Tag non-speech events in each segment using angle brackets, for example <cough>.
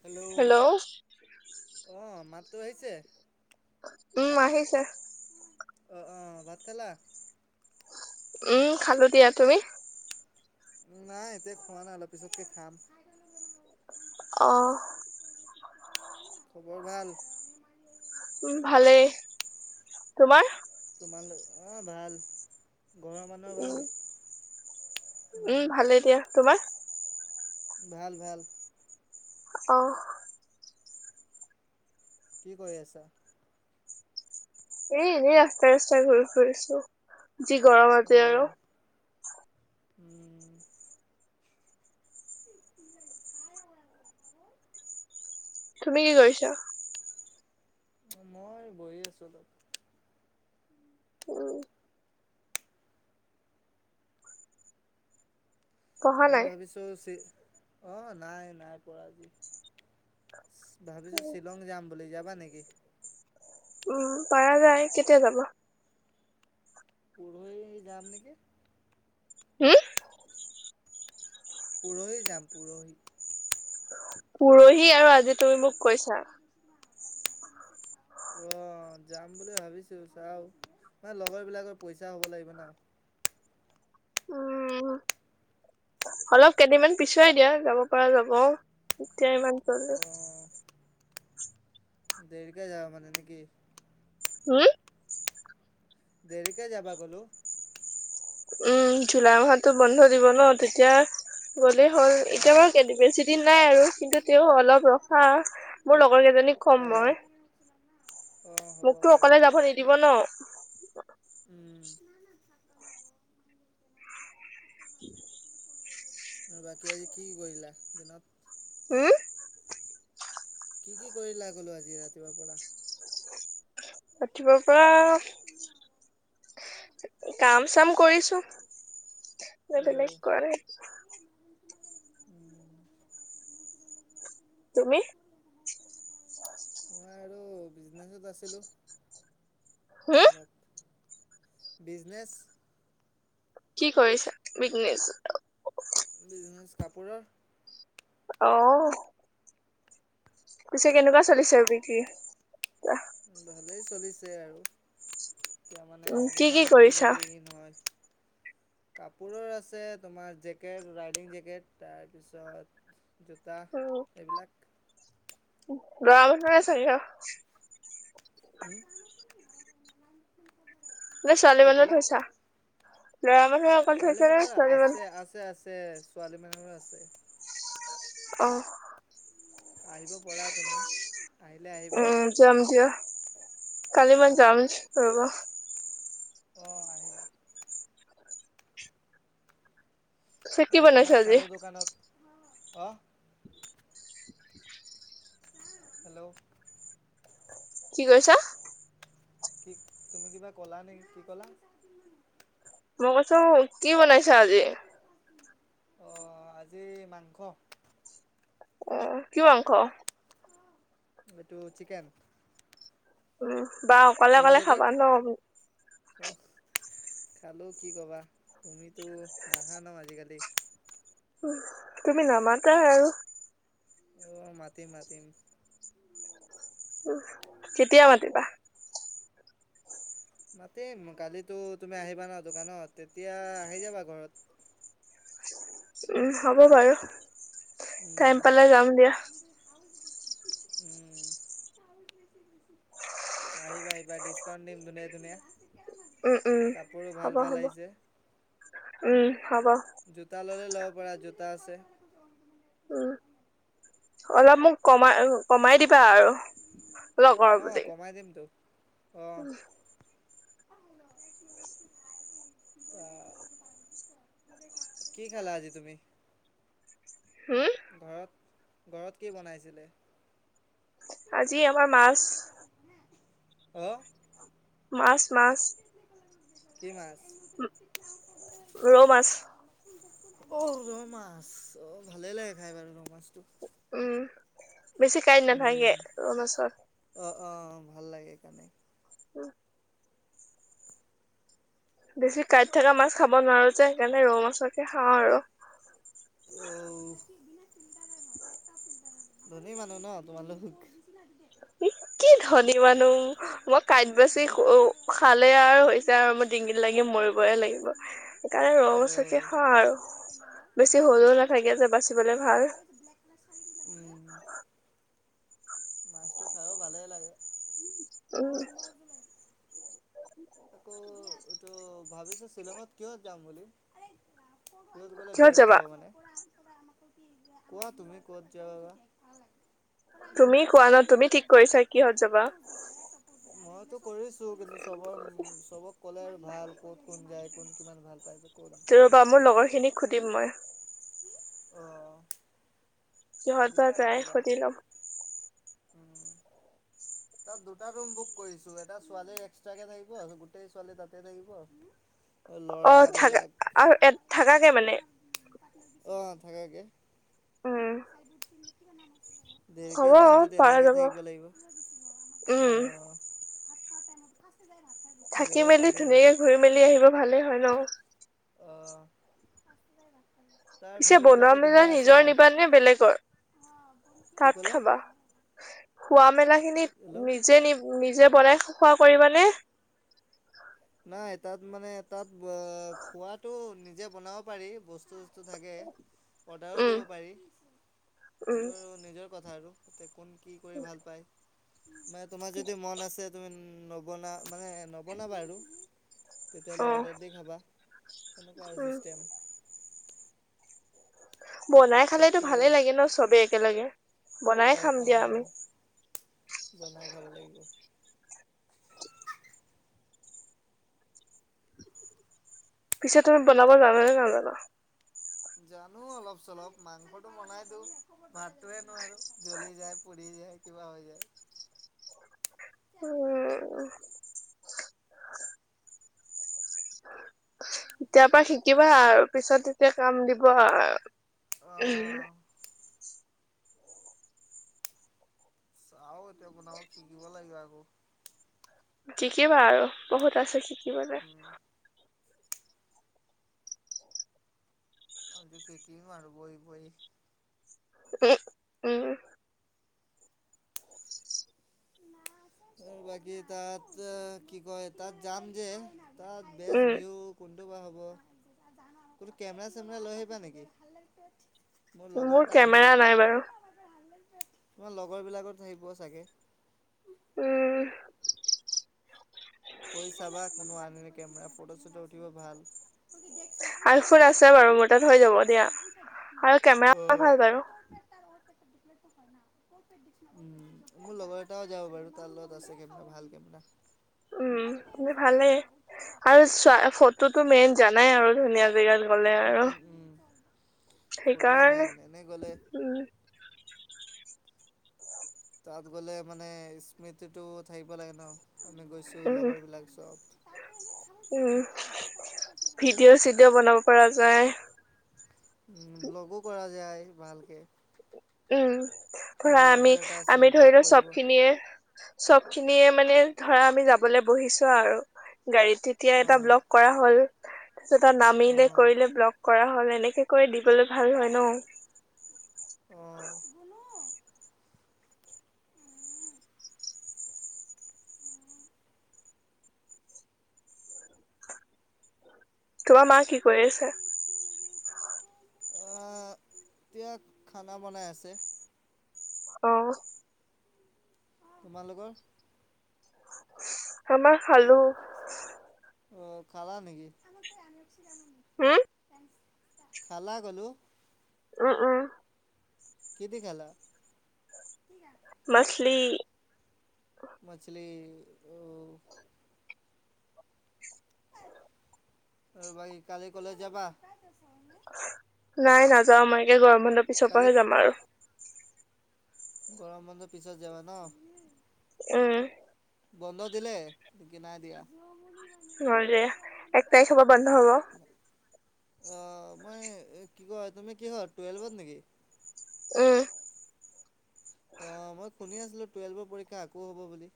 Hello অ' মাতটো আহিছে? উম, আহিছে। অ' অ' ভাত খালা? উম, খালোঁ দিয়া, তুমি? নাই, এতিয়া খোৱা নাই অলপ পিছতকে খাম। অ' খবৰ ভাল? উম, ভালেই তোমাৰ? তোমালোক অঁ' ভাল, ঘৰৰ মানুহৰ উম ভাল? উম ভালেই দিয়া তোমাৰ? ভাল ভাল। অঁ। কি কৰি আছা? এ এনেই ৰাস্তা ৰাস্তাই ঘূৰি ফুৰিছো, যি গৰম আজি অঁ আৰু! উম <inaudible> তুমি কি কৰিছা? মই বহি আছোঁ অলপ। উম পঢ়া আমি নাই ভাবিছোঁ চি অঁ' নাই নাই পৰা আজি। ভাবিছোঁ শ্বিলং যাম বুলি, যাবা নেকি? উম, পাৰা যায়, কেতিয়া যাবা? পোৰহি যাম নেকি। হম? পুৰহি যাম পুৰহি। পুৰহি আৰু আজি তুমি মোক কৈছা। অঁ' যাম বুলি ভাবিছোঁ চাওঁ, মানে লগৰ বিলাকৰ পইচা হ'ব লাগিব ন। উম। অলপ কেইদিনমান পিছুৱাই দিয়া যাব পৰা যাব, এতিয়া ইমান জল অঁ দেৰিকে যাবা মানে নেকি? হুম? দেৰিকে যাবা ক'লোঁ। উম, জুলাই মাহতো বন্ধ দিব ন' তেতিয়া গ'লেই হ'ল এতিয়া অ', বাৰু কেইদ বেছিদিন নাই আৰু কিন্তু তেওঁ অলপ ৰখা মোৰ লগৰ কেইজনীক ক'ম অ', মই। অ', হ'ব মোকতো অকলে ক'বা যাব নিদিব ন'। উম, <inaudible> আৰু বাকী আজি কি কি কৰিলা দিনত? হুম? কি কি কৰিলা ক'লো আজি ৰাতিপুৱাৰ পৰা। ৰাতিপুৱাৰ পৰা কাম চাম কৰিছো, বেলেগ অ', কৰা নাই। উম, তুমি? মই আৰু বিজনে নেচত আছিলোঁ। হোম? অলপ বিজনেছ। কি কৰিছা, বিজনেছ? বিজনেছ কাপোৰৰ। অহ। পিছে কেনেকুৱা চলিছে বিক্ৰী? ভালেই চলিছে আৰু। এতিয়া মানে উম কি কি ইমান কৰিছা আজিকালি হেৰি নহয়। কাপোৰ আছে তোমাৰ জেকেট ৰাইডিং জেকেট তাৰপিছত জোতা উম এইবিলাক। <unintelligible> হুম? নে ছোৱালী কি মানুহৰ ক'লা? থৈছা, ল'ৰা মানুহৰ অকল ছোৱালী থৈছে নে মানুহৰ ছোৱালী আছে মানু্হ আছে আছ তে ছোৱালী মানুহৰো আছে। অঁহ। আহিব পৰা তুমি, আহিলে আহিবা। উম যাম দিয়, কালি মই অঁ যাম ৰব। অঁ আহিবা। পিছে কি আজি বনাইছা তোমাক চালো দোকানত অঁ। হেল্ল'? কি কৈছা? কি তুমি কিবা ক'লা নে কি ক'লা? মই কৈছো কি বনাইছা আজি? অঁ আজি মাংস। অঁ কি মাংস? এইটো চিকেন। উম বা অকলে অকলে তোমালোকৰ খাবা ন? <unintelligible> খালোঁ কি ক'বা, তুমিতো নাহা ন আজিকালি। তুমি নামাতা আৰু। অঁ মাতিম মাতিম। উম, কেতিয়া মাতিবা? মাতিম, কালিতো তুমি আহিবা ন দোকানত তেতিয়া আহি যাবা ঘৰত। উম হ'ব বাৰু। উম টাইম পালে যাম দিয়া উম। আহিবা আহিবা ডিচকাউন্ট দিম ধুনীয়া ধুনীয়া। উম উম কাপোৰো ভাল হ'ব ভাল হ'ব আহিছে, উম হ'ব জোত তা ললে ল'ব পাৰা, জোতা আছে। উম <unintelligible> অলপ মোক কমা আৰু কমাই দিবা আৰু। লগৰ অঁ বুলি। কমাই দিমতো অঁ। অঁ, কি খালা আজি তুমি? হুম? ঘৰত, ঘৰত কি বনাইছিলে? আজি আমাৰ মাছ <unintelligible> অ। মাছ, মাছ। কি মাছ? অ, ৰৌ মাছ ৰৌ মাছ। অ, ভালে লাগে খাই বাৰু ৰৌ মাছটো। উম, বেছি কাইট উম নাথাকে ৰৌ মাছত। অঁ, অঁ ভাল লাগে সেইকাৰণে। উম। বেছি কাঁইট থকা মাছ খাব নোৱাৰোঁ যে সেইকাৰণে ৰৌ মাছকে খাওঁ আৰু। অ, ধনী মানুহ ন তোমালোক। কি কি ধনী মানু্হ, মই কাঁইট বাচি <unintelligible> খালে আৰু হৈছে আৰু মই ডিঙিত লাগি মৰিবই লাগিব সেইকাৰণে ৰৌ মাছকে খাওঁ আৰু। বেছি সৰু নাথাকে যে বাচিবলৈ ভাল। উম উম'। মাছটো খাব ভালে লাগে। উম। আকৌ এইটো ভাবিছো শ্বিলঙত কিয় যাম বুলি? ক'ত গ'লে কিহত বেষ্ট যাবা হ'ব? মানে কোৱা তুমি ক'ত যাবা বা? পৰা আমি তুমি বহুত কোৱা ন কাচান তুমি খোৰোৱা ঠিক যাম কৰিছা কিহত মানে এতিয়া যাবা তোৰ <unintelligible> মইতো কৰিছো, কিন্তু চবৰ- চবক ক'লে আৰু ভাল, ক'ত কোন যায়, কোন কিমান ভাল পায়। ক'ত গৈ ৰবা, মোৰ লগৰ খিনিক সুধিম মই। অঁ'। কিহত বা সুধিবা আৰু যায় কবা, সুধি ল'ম উম। তাত দুটা ৰুম বোক কৰিছো। এটা ছোৱালীৰ এক্সট্ৰাকে থাকিব গোটেই ছোৱালী তাতে থাকিব। <inaudible> অঁ থাকা, ল'ৰাবিলাক আৰু এ থাকাকে মানে? অঁ থাকাকে। উম দেৰিকে হ'ব যাম যদি পাৰা এনেকে যাব থাকিব লাগিব। উম অঁ, ভাত খোৱা টাইমত ফাষ্টে যায় ভাত। থাকি মেলি ধুনীয়াকে ঘূৰি মেলি আহিব ভালেই হয় ন? অঁ'। তাৰ পিছে, ভিউ বনোৱা বিলাকো মেলা ধুনীয়া আছে ন নিজৰ নিবানে বেলেকৰ? কি তাত ক'ল খাবা, খোৱা মেলা খিনিত হেল্ল' নি- যে নি নিজে বনাই খোৱা কৰিবানে? নাই তাত মানে তাত খোৱাটো নিজে বনাব পাৰি। বস্তু- বস্তু থাকে অৰ্ডাৰো উম দিব পাৰি, উম সেইটো নিজৰ কথা আৰু। এতিয়া কোন কি কৰি ভাল পায়, মানে তোমাৰ যদি মন আছে তুমি নবনা- মানে, নবনাবা আৰু। তেতিয়াহ'লে অ অৰ্ডাৰ দি খাবা। তেনেকুৱা আৰু উম ছিষ্টেম। বনাই খালেতো তাততো ভালেই লাগে ন চবেই একেলগে। বনাই অঁ খাম দিয়া অঁ আমি। বনাই খাব লাগিব। <unintelligible> পিছে তুমি বনাব জানা নে নাজানা? জানো অলপ চলপ। মাংসটো বনাই দিওঁ, ভাতটোহে নোৱাৰো জ্বলি যায়। পুৰি যায় কিবা হৈ যায়। তিয়া আমি কি কৰিম? উম এতিয়াৰ পৰা শিকিবা আৰু, পিছত তেতিয়া কাম দিব আৰু। অঁ'। চাওঁ এতিয়া বনাওঁ, শিকিব লাগিব আকৌ। শিকিবা আৰু বহুত আছে শিকিবলে। উম'। আজি শিকিম আৰু বহি বহি। এই- উম' উম'। এ বাকী তাত এ কি কয়? তাত যাম যে- তাত বেষ্ট উম ভিউ- কোনটো বা হ'ব? তুহোঁতি কেমেৰা চেমেৰা লৈ আহিবা নেকি? মোৰ লগৰ এটা আনিব। কেমেৰা নাই বাৰু তোমাৰ লগৰবিলাকো থাকিব চাগে। উম। কৈ চাবা কোনো আনে নেকি কেমেৰা ফটো-ছটো উঠিব ভাল। আইফোন আছে বাৰু মোৰ তাত হৈ যাব দিয়া <unintelligible> আৰু কেমেৰা ভাল বাৰু। উম, মোৰ লগৰ এটাও যাব বাৰু তাৰ লগত আছে কেমেৰা ভাল কেমেৰা। উম ভাল লাগে আৰু চ ফটোটো মেইন জানাই আৰু ধুনীয়া জেগা। গলে উম, আৰু উম, উম। ফটো মেইন সেইকাৰণে এনেই গ'লে উম। তাত গ'লে মানে স্মৃতিটো থাকিব লাগে ন, আমি গৈছো উম, লগৰবিলাক চব। উম ভিডিঅ'-চিডিঅ' বনাব পৰা যায়। ব্লগো কৰা যায় ভালকে। উম, ধৰা মোৰ আমি লগৰ এটা আছে আমি ধৰি ব্লগ লও কৰিব চব খিনিয়ে চব খিনিয়ে মানে ধৰা আমি যাবলৈ বহিছো আৰু গাড়ীত তেতিয়া এটা অঁ ব্লক কৰা হ'ল, তাৰপছত নামিলে অঁ কৰিলে ব্লগ। কৰা হ'ল এনেকে কৈ দিবলৈ ভাল হয় ন? অঁ। তোমাৰ মা কি কৰি আছে? এতিয়া খানা বনাই আছে। অ'। তোমালোকৰ? আমাৰ খালো। অ' খালা নেকি? হম খালা কলো। উম উম। কি দি খালা? <unintelligible> মাছলি। মাছলি অ'। আৰু বাকী কালি কলেজ যাবা? নাই নাযাও, মই একে গৰম বন্ধৰ পিছৰ কালি পৰাহে যাম আৰু। গৰম বন্ধৰ পিছত যাবা ন? উম। বন্ধ দিলে, কি নাই দিয়া? <unintelligible> এক তাৰিখৰ পৰা বন্ধ হ'ব। অ' মই কি কয় তুমি কি হয় টুৱেলভত নেকি? উম। অঁ মই শুনি আছিলোঁ টুৱেল্ভৰ পৰীক্ষা আকৌ হ'ব বুলি।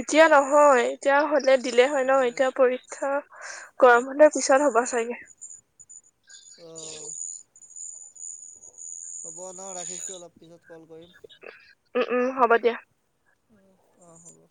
এতিয়া নহয় এতিয়া হ'লে দিলে হয় ন? অ' এতিয়া পৰীক্ষা গৰম বন্ধ পিছত হ'ব চাগে। অ হ'ব ন' ৰাখিছোঁ, অলপ পিছত কল কৰিম। উম উম হব দিয়া। অ অ।